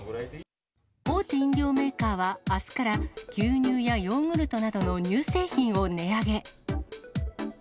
大手飲料メーカーはあすから牛乳やヨーグルトなどの乳製品を値上げ。